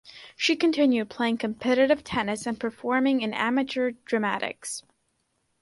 She continued playing competitive tennis and performing in amateur dramatics.